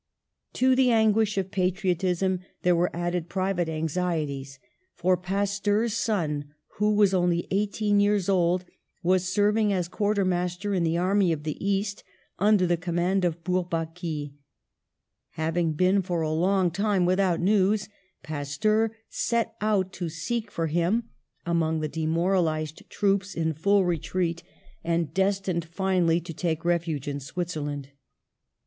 To the anguish of patriotism there were added private anxieties, for Pasteur's son, who was only eighteen years old, was serving as quartermaster in the Army of the East, under command of Bourbaki. Having been for a long time without news, Pasteur set out to seek for him among the demoralised troops in full re treat and destined finally to take refuge in Switzerland.